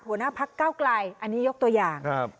หัวหน้าพักเก้าไกลอันนี้ยกตัวอย่าง